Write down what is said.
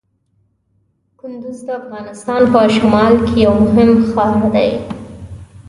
کندز د افغانستان په شمال کې یو مهم ښار دی.